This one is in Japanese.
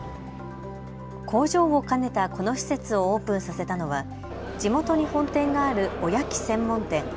工場を兼ねたこの施設をオープンさせたのは地元に本店がある、おやき専門店。